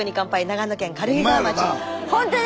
長野県軽井沢町。